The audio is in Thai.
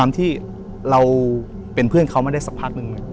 ที่เราเป็นเพื่อนเขามาได้สักพักหนึ่ง